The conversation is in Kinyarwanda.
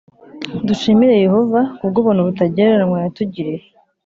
Dushimira Yehova ku bw’ubuntu butagereranywa yatugiriye